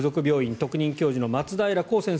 特任教授の松平浩先生